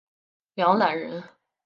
梁览人。